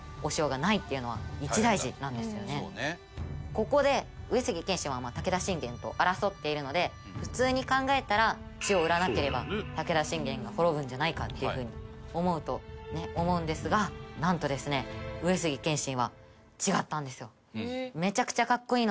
ここで上杉謙信は武田信玄と争っているので普通に考えたら塩を売らなければ武田信玄が滅ぶんじゃないかっていうふうに思うと思うんですがなんとですね大人！